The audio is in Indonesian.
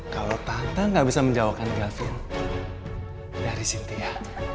kalau tante gak bisa menjauhkan gavin dari cynthia